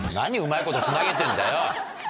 何うまいことつなげてんだよ！